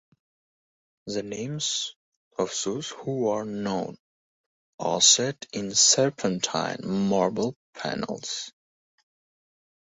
The names of those who are known are set in serpentine marble panels.